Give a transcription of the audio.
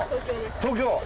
東京？